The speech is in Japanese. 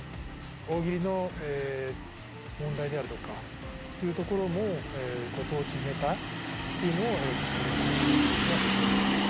「大喜利」の問題であるとかっていうところもご当地ネタっていうのを取り込んだりはしております。